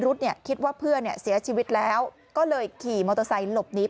เนี่ยคิดว่าเพื่อนเนี่ยเสียชีวิตแล้วก็เลยขี่มอเตอร์ไซค์หลบหนี